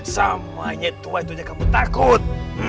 sama nya tua itu yang kamu takut